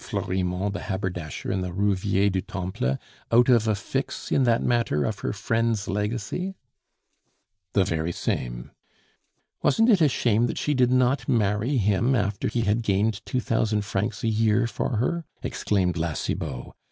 Florimond the haberdasher in the Rue Vieille du Temple out of a fix in that matter of her friend's legacy?" "The very same." "Wasn't it a shame that she did not marry him after he had gained two thousand francs a year for her?" exclaimed La Cibot.